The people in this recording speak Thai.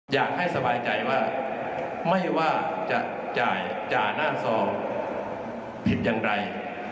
อยากให้สบายใจว่าไม่ว่าจะจ่ายจ่าหน้าซองผิดอย่างไร